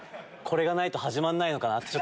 これがないと始まらないのかなって。